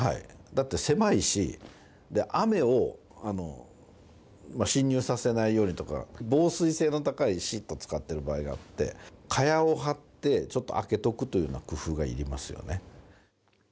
だって狭いし、雨を侵入させないようにとか、防水性の高いシート使ってる場合があって、蚊帳を張ってちょっと開けとくというような工夫がいりますよね。